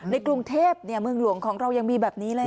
ในกรุงเทพเมืองหลวงของเรายังมีแบบนี้เลย